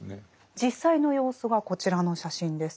実際の様子がこちらの写真です。